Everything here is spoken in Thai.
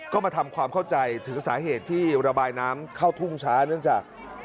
ก็มาทำความเข้าใจถึงสาเหตุที่ระบายน้ำเข้าทุ่งช้าเนื่องจาก